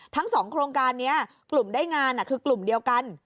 ทั้ง๒โครงการนี้กลุ่มได้งานคือกลุ่มเดียวกัน